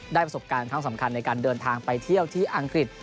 ประสบการณ์ครั้งสำคัญในการเดินทางไปเที่ยวที่อังกฤษ